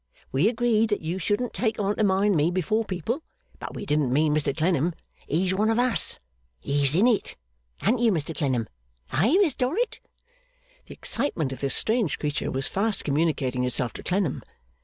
We agreed that you shouldn't take on to mind me before people, but we didn't mean Mr Clennam. He's one of us. He's in it. An't you, Mr Clennam? Eh, Miss Dorrit?' The excitement of this strange creature was fast communicating itself to Clennam.